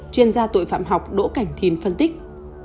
chuyên gia tội phạm học đỗ cảnh thìn phân tích